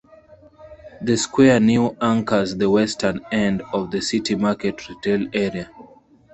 The square now anchors the western end of the City Market retail area.